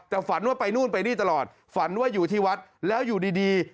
แต่ฝันว่าไปนู่นไปนี่ตลอดฝันว่าอยู่ที่วัดแล้วอยู่ดี